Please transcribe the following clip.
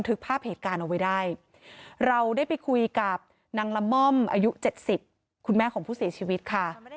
เอาไว้ได้เราได้ไปคุยกับนางลำม่อมอายุ๗๐คุณแม่ของผู้เสียชีวิตค่ะ